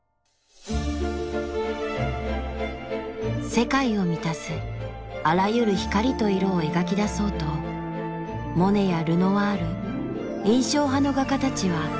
世界を満たすあらゆる光と色を描き出そうとモネやルノワール印象派の画家たちは夢みた。